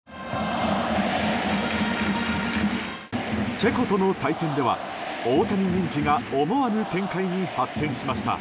チェコとの対戦では大谷人気が思わぬ展開に発展しました。